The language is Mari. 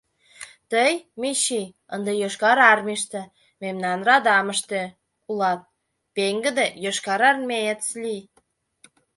Тый, Мичий, ынде Йошкар Армийыште, мемнан радамыште, улат, пеҥгыде йошкарармеец лий.